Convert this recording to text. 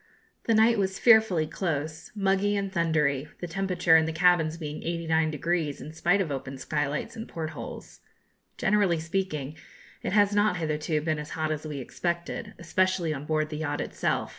The night was fearfully close, muggy, and thundery, the temperature in the cabins being 89°, in spite of open sky lights and port holes. Generally speaking, it has not hitherto been as hot as we expected, especially on board the yacht itself.